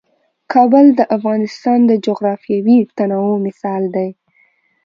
کابل د افغانستان د جغرافیوي تنوع مثال دی.